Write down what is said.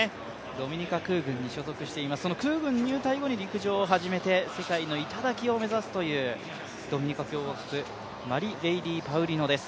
ドミニカ空軍に所属しています、その空軍に入隊後に陸上を始めて、世界の頂を目指すというドミニカ共和国、マリレイディー・パウリノです。